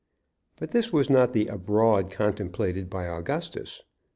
But this was not the "abroad" contemplated by Augustus.